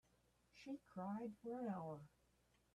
She cried for an hour.